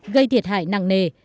gây thiệt hại nặng nề